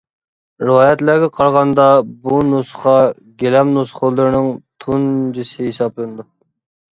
رىۋايەتلەرگە قارىغاندا بۇ نۇسخا گىلەم نۇسخىلىرىنىڭ تۇنجىسى ھېسابلىنىدۇ.